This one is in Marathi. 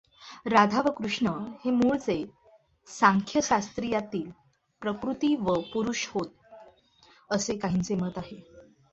राधा व कृष्ण हे मूळचे सांख्यशास्त्रातील प्रकृती व पुरुष होत, असे काहींचे मत आहे.